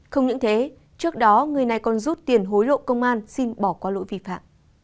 không những thế trước đó người này còn rút tiền hối lộ công an xin bỏ qua lỗi vi phạm